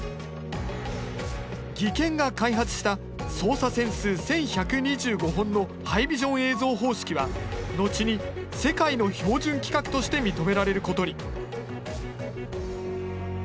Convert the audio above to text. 技研が開発した走査線数１，１２５本のハイビジョン映像方式は後に世界の標準規格として認められることに。